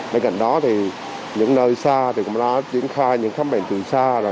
bên cạnh đó thì những nơi xa cũng đã triển khai những khám bệnh từ xa